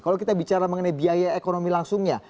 kalau kita bicara mengenai biaya ekonomi langsungnya